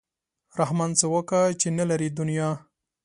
رحمان څه وکا چې نه لري دنیا.